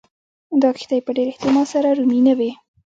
دا کښتۍ په ډېر احتمال سره رومي نه وې